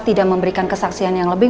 tidak memberikan kesaksian yang lebih